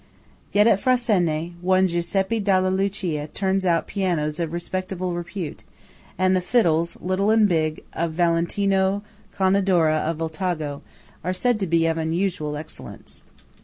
Yet at Frassene, one Giuseppe Dalla Lucia turns out pianos of respectable repute, and the fiddles, little and big, of Valentino Conedera of Voltago are said to be of unusual excellence.